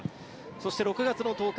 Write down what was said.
そして６月１０日